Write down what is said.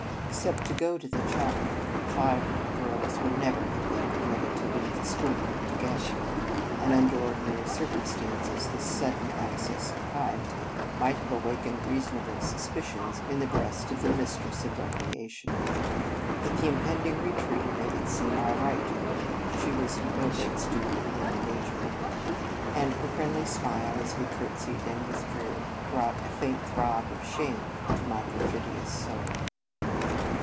Except to go to the chapel, five little girls would never have been permitted to leave the school room together; and, under ordinary circumstances, this sudden access of piety might have awakened reason able suspicions in the breast of the Mistress of recreation. But the im pending retreat made it seem all right In Retreat to her (she was no great student of human nature), and her friendly smile, as we curtsied and withdrew, brought a faint throb of shame to my perfidious soul.